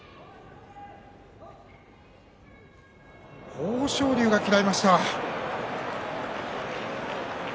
豊昇龍が嫌いました。